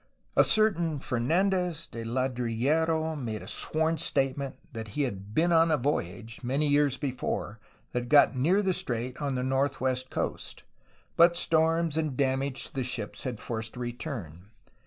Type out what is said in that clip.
A certain Fernandez de Ladrillero made a sworn statement that he had been on a voyage, many years before, that got near the strait on the northwest coast, but storms and damage to the ships had forced a return.